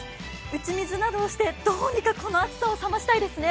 打ち水などをしてどうにかこの暑さを冷ましたいですね。